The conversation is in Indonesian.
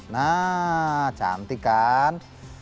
nah cantik kan